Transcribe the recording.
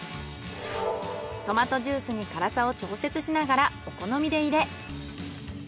トマトジュースに辛さを調節しながらお好みで入れ。